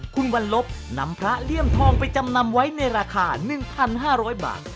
คุณวันลบนำพระเลี่ยมทองไปจำนำไว้ในราคา๑๕๐๐บาท